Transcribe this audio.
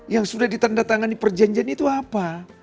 yang sudah ditanda tangan perjanjian itu apa